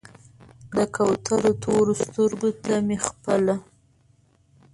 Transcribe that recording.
د کوترو تورو سترګو ته مې خپله